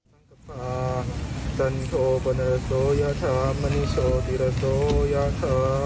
มาเอาใหม่ได้ไหม